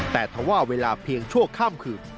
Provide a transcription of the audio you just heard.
แต่ถ้าว่าเวลาเพียงชั่วข้ามคืน